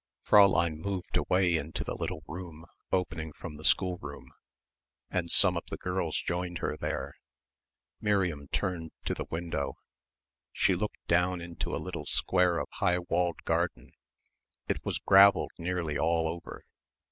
Fräulein moved away into the little room opening from the schoolroom, and some of the girls joined her there. Miriam turned to the window. She looked down into a little square of high walled garden. It was gravelled nearly all over.